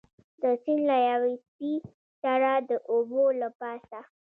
د سیند له یوې څپې سره د اوبو له پاسه.